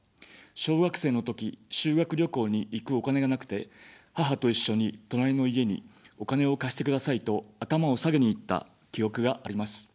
小学生のとき、修学旅行に行くお金がなくて、母と一緒に隣の家にお金を貸してくださいと頭を下げに行った記憶があります。